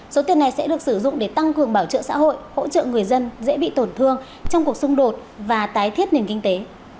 số tiền này sẽ được sử dụng để tăng cường bảo trợ xã hội hỗ trợ người dân dễ bị tổn thương trong cuộc xung đột và tái thiết nền kinh tế